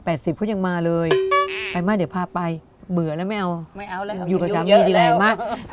เขายังมาเลยไปมากเดี๋ยวพาไปเบื่อแล้วไม่เอาไม่เอาแล้วอยู่กับสามีแรงมาก